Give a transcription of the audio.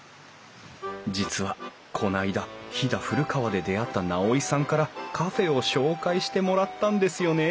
実はこないだ飛騨古川で出会った直井さんからカフェを紹介してもらったんですよね